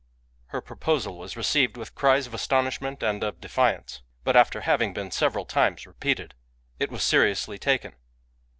Her proposal was received with cries of astonishment and of defiance. But after having been several times repeated, it was seriously taken.